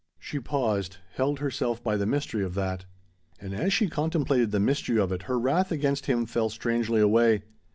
She paused, held herself by the mystery of that. And as she contemplated the mystery of it her wrath against him fell strangely away.